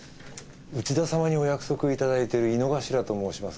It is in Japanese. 内田様にお約束をいただいてる井之頭と申します。